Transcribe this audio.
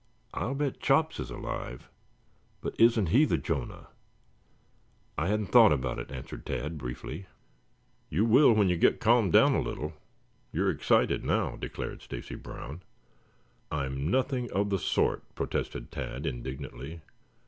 "I'll bet Chops is alive. But isn't he the Jonah?" "I hadn't thought about it," answered Tad briefly. "You will when you get calmed down a little. You're excited now," declared Stacy Brown. "I'm nothing of the sort," protested Tad indignantly.